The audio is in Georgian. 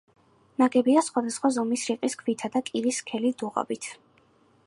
ნაგებია სხვადასხვა ზომის, რიყის ქვითა და კირის სქელი დუღაბით.